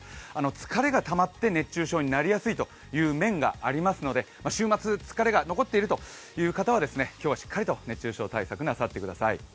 疲れがたまって熱中症になりやすいという面がありますから、週末疲れが残っているという方は今日はしっかりと熱中症対策なさってください。